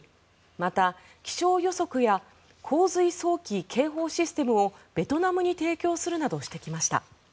また、気象予測や洪水早期警報システムをベトナムに提供するなどしてきました。